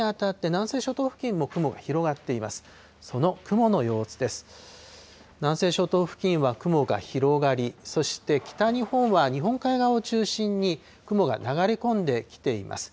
南西諸島付近は雲が広がり、そして、北日本は日本海側を中心に雲が流れ込んできています。